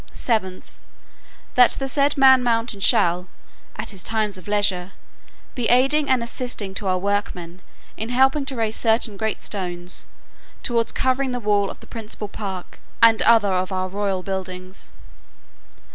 "7th, That the said man mountain shall, at his times of leisure, be aiding and assisting to our workmen, in helping to raise certain great stones, towards covering the wall of the principal park, and other our royal buildings.